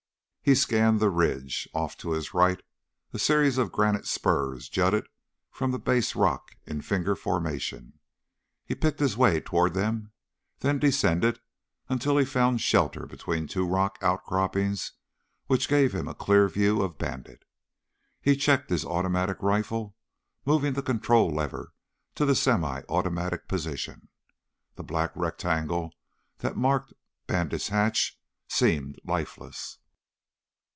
He scanned the ridge. Off to his right a series of granite spurs jutted from the base rock in finger formation. He picked his way toward them, then descended until he found shelter between two rock outcroppings which gave him a clear view of Bandit. He checked his automatic rifle, moving the control lever to the semi automatic position. The black rectangle that marked Bandit's hatch seemed lifeless.